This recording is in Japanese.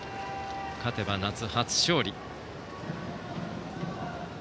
勝てば夏初勝利。